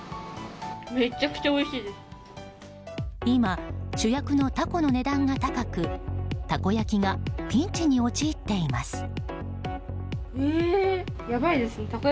今、主役のタコの値段が高くたこ焼きがピンチに陥っています。